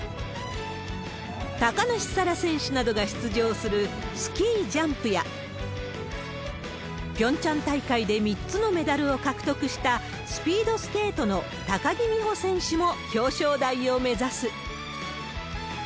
高梨沙羅選手などが出場するスキージャンプや、ピョンチャン大会で３つのメダルを獲得した、スピードスケートの高木美帆選手も表彰台を目指す。